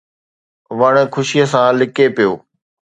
وڻ خوشيءَ سان لڪي پيو